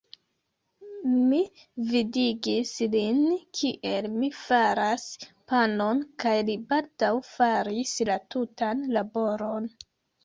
Mi vidigis lin, kiel mi faras panon, kaj li baldaŭ faris la tutan laboron.